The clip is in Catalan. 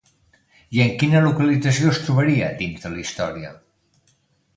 I en quina localització es trobaria, dins de la història?